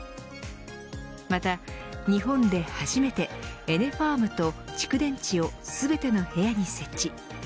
また日本で初めてエネファームと蓄電池を全ての部屋に設置。